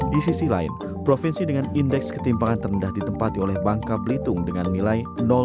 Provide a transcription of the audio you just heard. di sisi lain provinsi dengan indeks ketimpangan terendah ditempati oleh bangka belitung dengan nilai dua ratus tujuh puluh lima